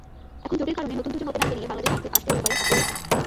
এখন চোটের কারণে নতুন দুজন ওপেনার নিয়ে বাংলাদেশে আসতে হতে পারে অস্ট্রেলিয়াকে।